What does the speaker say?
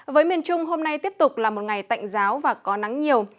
với miền trung hôm nay tiếp tục là một ngày tạnh giáo và có nắng nhiều